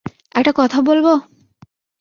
একটা কথা বলব?